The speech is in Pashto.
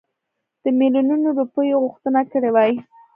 د میلیونونو روپیو غوښتنه کړې وای.